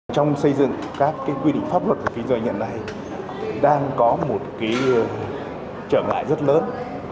trong xây dựng các quy định pháp luật của phí doanh nhận này đang có một trở ngại rất lớn